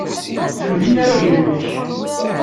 Ḥemmel inaragen-nnek.